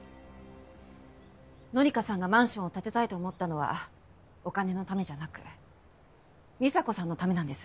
紀香さんがマンションを建てたいと思ったのはお金のためじゃなく美沙子さんのためなんです。